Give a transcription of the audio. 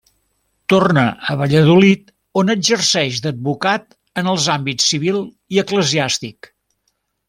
Torna a Valladolid, on exerceix d'advocat en els àmbits civil i eclesiàstic.